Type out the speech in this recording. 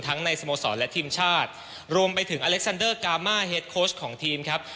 ในสโมสรและทีมชาติรวมไปถึงอเล็กซันเดอร์กามาเฮดโค้ชของทีมครับ